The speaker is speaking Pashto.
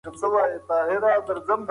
موږ بايد هره ورځ يو څه ولولو.